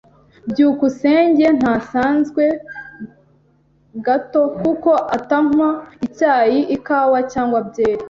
byukusenge ntasanzwe gato kuko atanywa icyayi, ikawa cyangwa byeri.